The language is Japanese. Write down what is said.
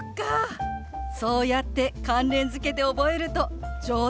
そうやって関連づけて覚えると上達も早いわよね！